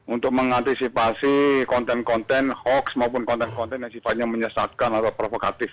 untuk mengantisipasi konten konten hoax maupun konten konten yang sifatnya menyesatkan atau provokatif